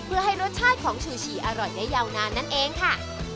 เพื่อให้รสชาติของชูชีอร่อยได้ยาวนานนั่นเองค่ะ